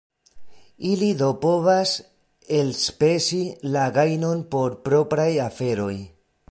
Ili do povas elspezi la gajnon por propraj aferoj.